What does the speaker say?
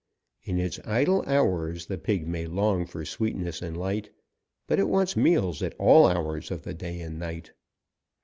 In its idle hours the pig may long for sweetness and light, but it wants meals at all hours of the day and night.